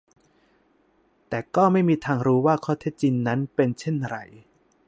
แต่ก็ไม่มีทางรู้ว่าข้อเท็จจริงนั้นเป็นเช่นไร